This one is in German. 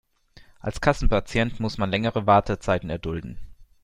Als Kassenpatient muss man längere Wartezeiten erdulden.